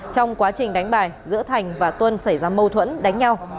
trong quá trình đánh bài giữa thành và tuân xảy ra mâu thuẫn đánh nhau